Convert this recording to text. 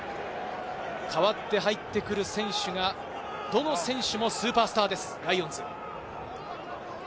代わって入ってくる選手がどの選手もスーパースターです、ライオンズ。